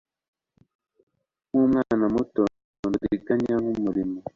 nk'umwana muto nta buriganya bumurimo.